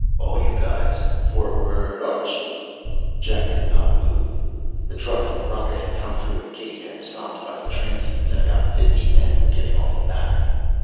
"All you guys, for'ard 'arch!" Jack did not move. The truck from the rocket had come through a gate and stopped by the transies, and about fifty men were getting off the back.